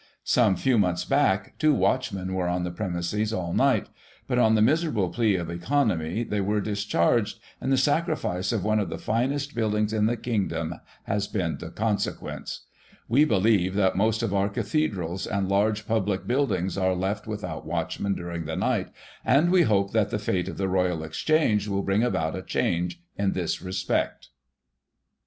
Some few months back, two watchmen were on the premises all night, but, on the miserable plea of economy, they were dis charged, and the sacrifice of one of the finest buildings in the Kingdom has been the consequence. We believe that Digiti ized by Google 1838] BURNING OF ROYAL EXCHANGE. 27 most of our cathedrals and large public buildings are left without watchmen during the night, and we hope that the fate of the Royal Exchange will bring about a change in this respect."